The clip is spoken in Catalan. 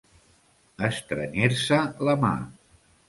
Estrènyer-se la mà.